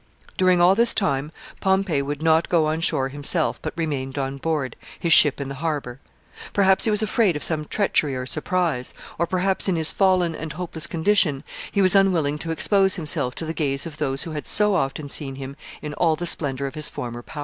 During all this time Pompey would not go on shore himself, but remained on board, his ship in the harbor. Perhaps he was afraid of some treachery or surprise, or perhaps, in his fallen and hopeless condition, he was unwilling to expose himself to the gaze of those who had so often seen him in all the splendor of his former power.